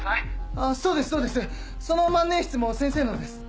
あぁそうですそうですその万年筆も先生のです。